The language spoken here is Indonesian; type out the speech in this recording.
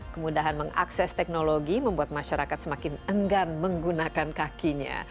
kemudahan mengakses teknologi membuat masyarakat semakin enggan menggunakan kakinya